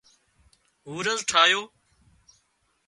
هورز ٺاهيو